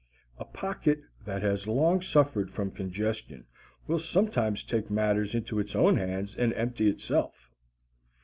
A pocket that has long suffered from congestion will sometimes take matters into its own hands and empty itself.